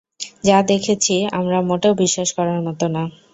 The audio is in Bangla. যা দেখেছি আমরা মোটেও বিশ্বাস করার মতো না!